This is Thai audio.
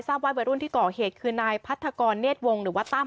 ทราบไว้บริรุ่นที่เกาะเหตุคือนายพัฒกรเนศวงหรือว่าตั้ม